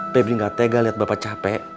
pebli nggak tega liat bapak capek